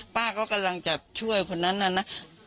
ป้าก็กำลังจะช่วยคนนั้นน่ะนะ